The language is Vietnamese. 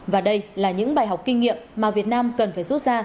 và đây là những bài học kinh nghiệm mà việt nam cần phải rút ra